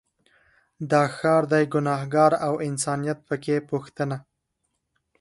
دا ښار دی ګنهار او انسانیت په کې پوښتنه